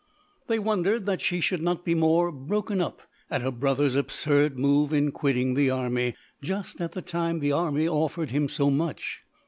They wondered that she should not be more broken up at her brother's absurd move in quitting the army just at the time the army offered him so much.